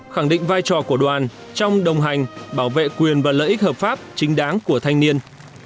khẳng định vai trò của đoàn trong đồng hành bảo vệ quyền và lợi ích hợp pháp chính đáng của thanh niên